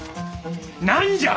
何じゃ！